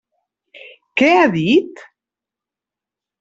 Què ha dit?